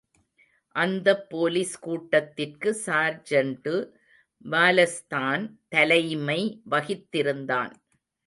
அந்தப் போலிஸ் கூட்டத்திற்கு சார்ஜென்டு வாலஸ்தான் தலைமை வகித்திருந்தான்.